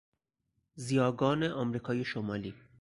زیاگان امریکای شمالی